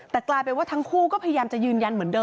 แต่กลายเป็นว่าทั้งคู่ก็พยายามจะยืนยันเหมือนเดิ